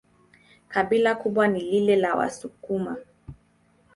Kabila kubwa ni lile la Wasukuma.